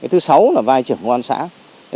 thứ sáu là vai trưởng công an xã